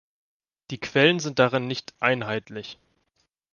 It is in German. Die Quellen sind darin nicht einheitlich.